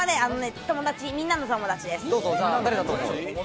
みんなの友達です。